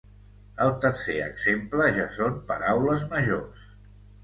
El tercer exemple ja són paraules majors.